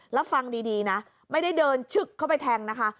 แล้วฟังดีนะไม่ได้เดินชึกเข้าไปแทงนะคะ